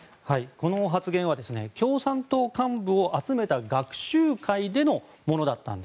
この発言は共産党幹部を集めた学習会でのものでした。